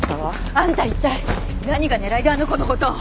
あんた一体何が狙いであの子の事！